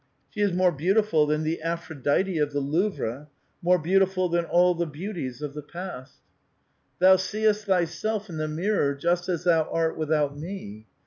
She is more beautiful than the Aphrodite of the Louvre, more beautiful than all the beauties of the past. *' Thou seest thyself in the mirror just as thou art without me.